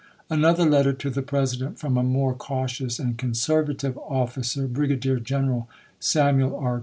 Another letter to the President from a more cautions and conservative officer, Brigadier Gen eral Samuel R.